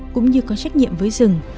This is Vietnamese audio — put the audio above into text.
cũng như có trách nhiệm với rừng